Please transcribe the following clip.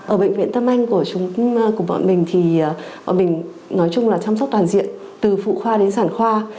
ở bệnh viện tâm anh của bọn mình thì bọn mình nói chung là chăm sóc toàn diện từ phụ khoa đến sản khoa